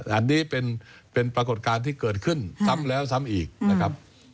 อันนี้เป็นปรากฏการณ์ที่เกิดขึ้นซ้ำแล้วซ้ำอีกนะครับ